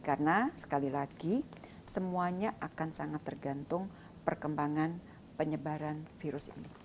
karena sekali lagi semuanya akan sangat tergantung perkembangan penyebaran virus ini